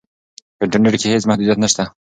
په انټرنیټ کې هیڅ محدودیت نشته.